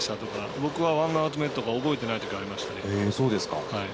僕はワンアウト目とか覚えてないときありましたね。